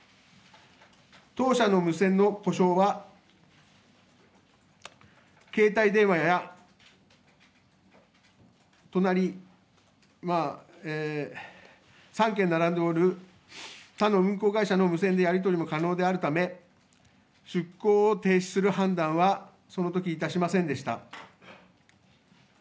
当社の無線の故障は携帯電話や隣３軒並んでおる他の運航会社の無線でやり取りが可能なため出航を停止する判断はそのときいたしませんでした。